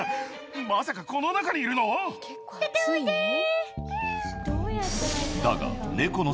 まさかこの中にいるの？